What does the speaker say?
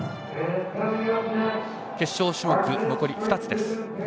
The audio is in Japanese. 決勝種目は残り２つです。